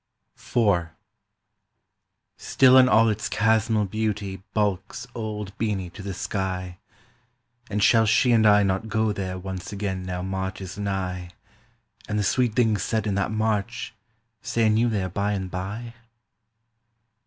IV —Still in all its chasmal beauty bulks old Beeny to the sky, And shall she and I not go there once again now March is nigh, And the sweet things said in that March say anew there by and by?